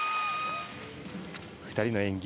２人の演技